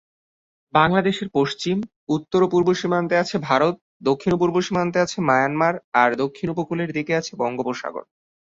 বাংলাদেশের পশ্চিম, উত্তর ও পূর্ব সীমান্তে আছে ভারত, দক্ষিণ-পূর্ব সীমান্তে আছে মায়ানমার, আর দক্ষিণ উপকূলের দিকে আছে বঙ্গোপসাগর।